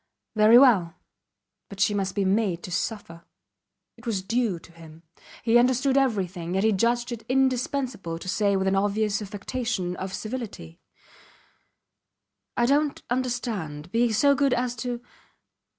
Very well but she must be made to suffer. It was due to him. He understood everything, yet he judged it indispensable to say with an obvious affectation of civility: I dont understand be so good as to